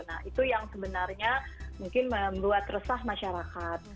nah itu yang sebenarnya mungkin membuat resah masyarakat